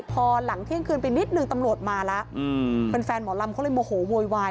พอหลังเที่ยงคืนไปนิดนึงตำรวจมาแล้วแฟนหมอลำเขาเลยโมโหโวยวาย